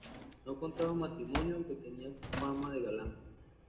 No contrajo matrimonio, aunque tenía fama de galán.